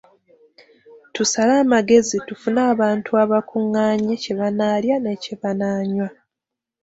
Tusale amagezi tufune abantu abakungaanye kye banaalya ne kye banaanywa.